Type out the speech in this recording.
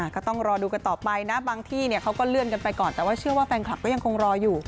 ก็ต้องรอดูกันต่อไปนะบางที่เขาก็เลื่อนกันไปก่อนแต่ว่าเชื่อว่าแฟนคลับก็ยังคงรออยู่